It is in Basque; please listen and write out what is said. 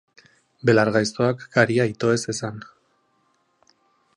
Belar gaiztoak garia ito ez dezan.